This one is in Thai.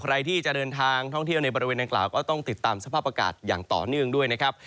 ใครที่จะเดินทางท่องเที่ยวในบริเวณดังกล่าวก็ต้องติดตามสภาพอากาศอย่างต่อเนื่องด้วยนะครับ